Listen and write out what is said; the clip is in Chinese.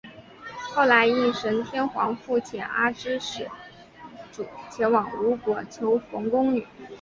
后来应神天皇复遣阿知使主前往吴国求缝工女。